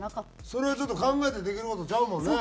それはちょっと考えてできる事ちゃうもんね。